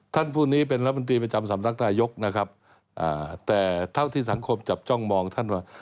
ท่านผู้นี้เป็นรัฐมนตรีประจำสำนักนายกนะครับแต่เท่าที่สังคมจับจ้องมองท่านว่า